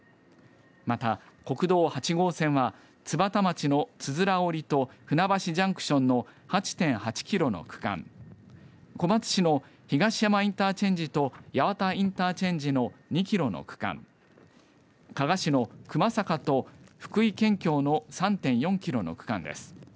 また、国道８号線は津幡町の九折と舟橋ジャンクションの８．８キロの区間小松市の東山インターチェンジと八幡インターチェンジの２キロの区間加賀市の熊坂と福井県境の３．４キロの区間です。